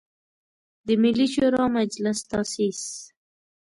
د ملي شوری مجلس تاسیس.